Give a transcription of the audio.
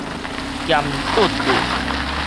鹹拄拄